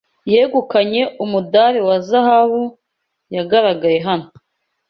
yegukanye umudari wa zahabu yagaragaye hano